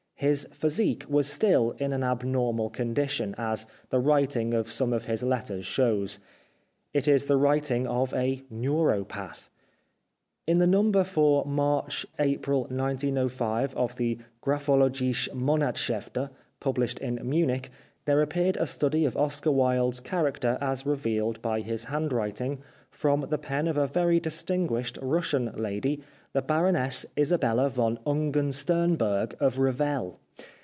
His physique was still in an abnor mal condition, as the writing of some of his letters shows. It is the writing of a neuropath. In the number for March April 1905 of the Graphologische Monatshefte, published in Munich, there appeared a study of Oscar Wilde's char acter, as revealed by his handwriting, from the pen of a very distinguished Russian lady, the Baroness Isabella von Ungern Sternberg of Revel.